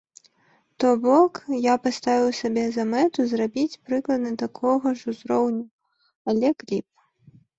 То бок, я паставіў сабе за мэту зрабіць прыкладна такога ж узроўню, але кліп.